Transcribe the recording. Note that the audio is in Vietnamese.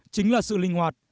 chính là sự linh hoạt